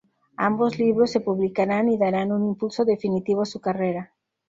Ambos libros se publicarán y darán un impulso definitivo a su carrera.